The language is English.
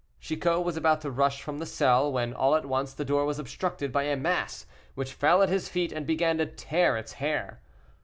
Chicot was about to rush from the cell, when all at once the door was obstructed by a mass which fell at his feet, and began to tear its hair.